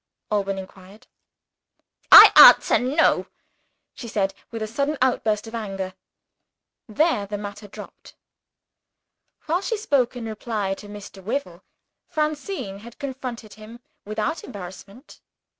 Alban inquired. "I answer No!" she said, with a sudden outburst of anger. There, the matter dropped. While she spoke in reply to Mr. Wyvil, Francine had confronted him without embarrassment.